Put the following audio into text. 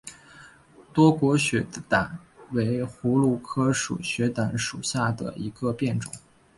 多果雪胆为葫芦科雪胆属下的一个变种。